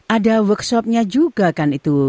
ada workshopnya juga kan itu